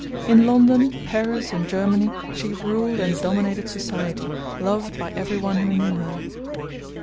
In London, Paris, and Germany, she ruled and dominated society, loved by every one who knew her.